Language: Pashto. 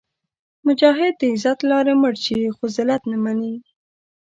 مجاهد د عزت له لارې مړ شي، خو ذلت نه مني.